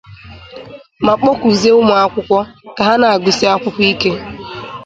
ma kpọkuzie ụmụakwụkwọ ka ha na-agụsi akwụkwọ ike.